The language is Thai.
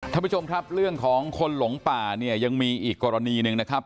ท่านผู้ชมครับเรื่องของคนหลงป่าเนี่ยยังมีอีกกรณีหนึ่งนะครับ